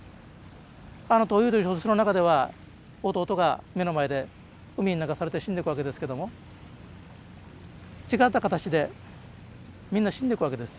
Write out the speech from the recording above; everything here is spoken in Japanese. あの「闘魚」という小説の中では弟が目の前で海に流されて死んでいくわけですけども違った形でみんな死んでくわけですよ。